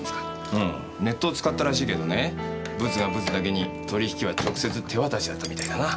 うんネットを使ったらしいけどねブツがブツだけに取り引きは直接手渡しだったみたいだな。